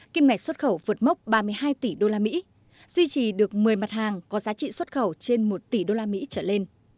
kim ngạch xuất khẩu vượt mốc ba mươi hai tỷ usd duy trì được một mươi mặt hàng có giá trị xuất khẩu trên một tỷ usd trở lên